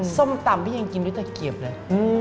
ส้มตำพี่ยังกินด้วยตะเกียบเลย